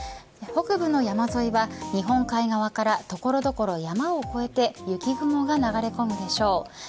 北部の山沿いは日本海側から所々山を越えて雪雲が流れ込むでしょう。